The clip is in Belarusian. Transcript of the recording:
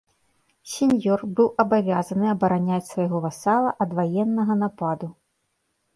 Сеньёр быў абавязаны абараняць свайго васала ад ваеннага нападу.